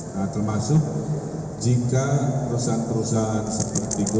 nah termasuk jika perusahaan perusahaan seperti goog